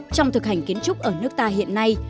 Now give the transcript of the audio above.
trong thực hành kiến trúc ở nước ta hiện nay